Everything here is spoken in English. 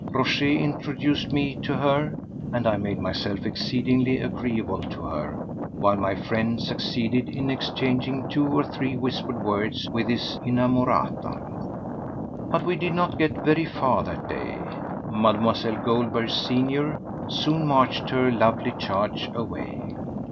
Rochez introduced me to her, and I made myself exceedingly agreeable to her, while my friend succeeded in exchanging two or three whispered words with his inamorata. But we did not get very far that day. Mlle. Goldberg senior soon marched her lovely charge away.